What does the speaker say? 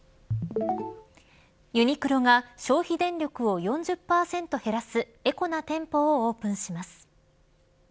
ユニクロが消費電力を４０％減らすエコな店舗をオープンします。